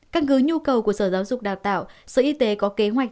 căn cứ nhu cầu của sở giáo dục đào tạo sở y tế có kế hoạch